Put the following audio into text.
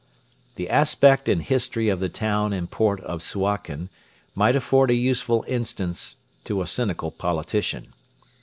The aspect and history of the town and port of Suakin might afford a useful instance to a cynical politician.